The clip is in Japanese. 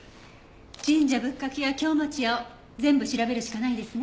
神社仏閣や京町屋を全部調べるしかないですね。